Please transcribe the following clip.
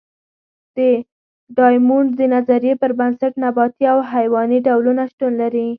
د ډایمونډ د نظریې پر بنسټ نباتي او حیواني ډولونه شتون لري.